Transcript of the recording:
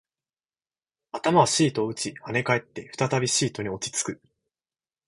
頭はシートを打ち、跳ね返って、再びシートに落ち着く